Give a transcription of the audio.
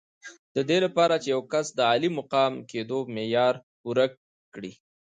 د دې لپاره چې یو کس د عالي مقام کېدو معیار پوره کړي.